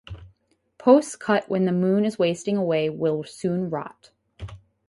Posts cut when the moon is wasting away will soon rot.